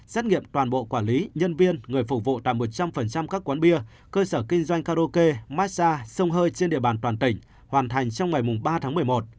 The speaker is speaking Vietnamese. xét nghiệm toàn bộ quản lý nhân viên người phục vụ tại một trăm linh các quán bia cơ sở kinh doanh karaoke massage sông hơi trên địa bàn toàn tỉnh hoàn thành trong ngày ba tháng một mươi một